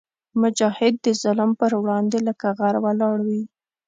مجاهد د ظلم پر وړاندې لکه غر ولاړ وي.